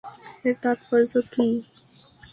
এর তাৎপর্য কী?